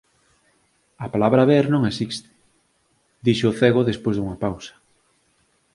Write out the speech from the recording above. “A palabra ‘ver’ non existe” dixo o cego, despois dunha pausa.